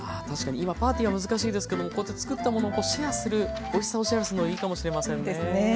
確かに今パーティーは難しいですけどこうやってつくったものをシェアするおいしさをシェアするのいいかもしれませんね。